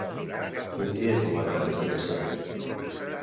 Quin dia és el mercat de Picassent?